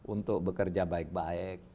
untuk bekerja baik baik